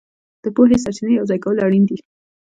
د پوهې سرچینې یوځای کول اړین دي.